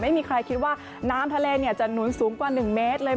ไม่มีใครคิดว่าน้ำทะเลจะหนุนสูงกว่า๑เมตรเลย